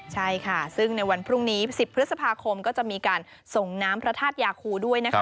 ใช่ค่ะซึ่งในวันพรุ่งนี้๑๐พฤษภาคมก็จะมีการส่งน้ำพระธาตุยาคูด้วยนะคะ